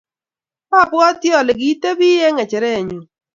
abwatii ale kitepii eng ngechereenyu.